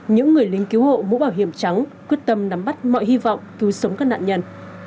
những người lính cứu hộ mũ bảo hiểm trắng quyết tâm nắm bắt mọi hy vọng cứu sống các nạn nhân